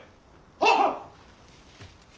はっ！